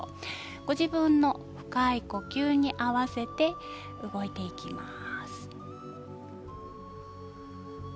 ご自分の深い呼吸に合わせて動いていきます。